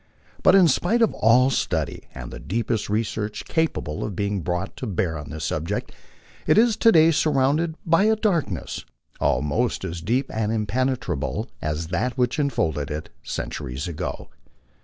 But in spite of all study and the deepest research capable of being brought to bear on this subject, it is to day surrounded by a darkness almost as deep and impenetrable as that which enfolded it centuries ago.